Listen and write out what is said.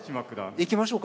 いきましょうか。